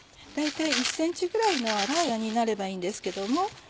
大体１ｃｍぐらいの厚さになればいいんですけども。